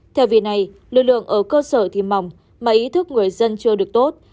theo vì này lực lượng ở cơ sở thì mỏng mà ý thức người dân chưa được tốt